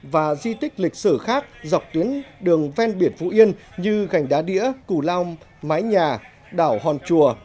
và di tích lịch sử khác dọc tuyến đường ven biển phú yên như gành đá đĩa cù lao mái nhà đảo hòn chùa